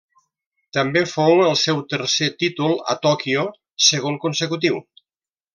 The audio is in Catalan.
També fou el seu tercer títol a Tòquio, segon consecutiu.